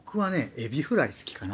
エビフライ好きかな。